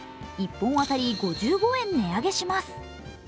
１本当たり５５円値上げします。